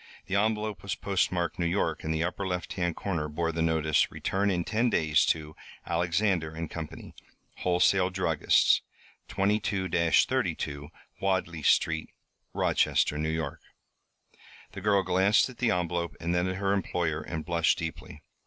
The envelope was postmarked New York and the upper left hand corner bore the notice: Return in 10 days to Alexander & Company, Wholesale Druggists, 22 32 Wadley Street, Rochester, N. Y. The girl glanced at the envelope and then at her employer and blushed deeply.